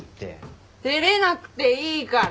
照れなくていいから。